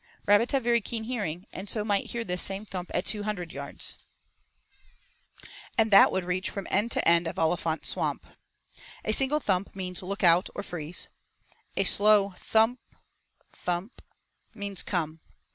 Rabbits have very keen hearing, and so might hear this same thump at two hundred yards, and that would reach from end to end of Olifant's Swamp. A single thump means 'look out' or 'freeze.' A slow thump thump means 'come.'